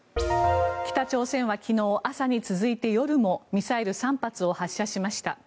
北朝鮮は昨日、朝に続いて夜もミサイル３発を発射しました。